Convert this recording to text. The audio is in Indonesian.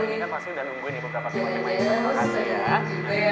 beberapa teman teman yang mau ke suara hati ya